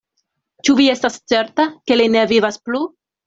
Ĉu vi estas certa, ke li ne vivas plu?